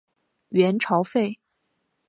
元朝废。